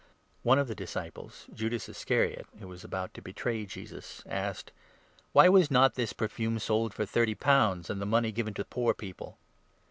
One of the disciples, Judas Iscariot, who was about 4 to betray Jesus, asked : "Why was not this perfume sold for thirty pounds, and the 5 money given to poor people